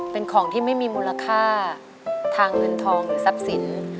เป็นของที่ไม่มีมูลค่าทางเงินทองหรือทรัพย์สิน